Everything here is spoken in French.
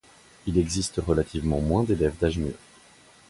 Il existe relativement moins d’élèves d’âge mûr.